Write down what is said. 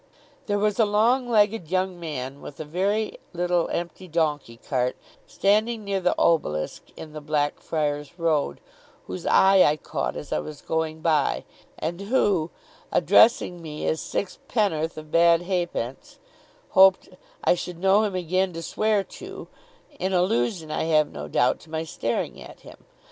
There was a long legged young man with a very little empty donkey cart, standing near the Obelisk, in the Blackfriars Road, whose eye I caught as I was going by, and who, addressing me as 'Sixpenn'orth of bad ha'pence,' hoped 'I should know him agin to swear to' in allusion, I have no doubt, to my staring at him.